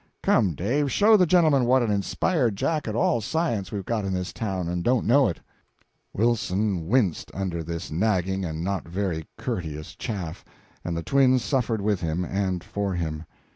Come, Dave, show the gentlemen what an inspired Jack at all science we've got in this town, and don't know it." Wilson winced under this nagging and not very courteous chaff, and the twins suffered with him and for him.